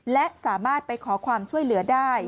และสามารถไปขอความช่วยเหลือได้